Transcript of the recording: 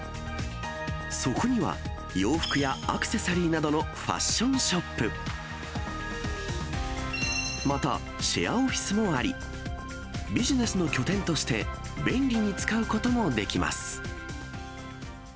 そこには、洋服やアクセサリーなどのファッションショップ、またシェアオフィスもあり、ビジネスの拠点として便利に使うこともできます。